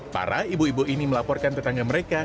para ibu ibu ini melaporkan tetangga mereka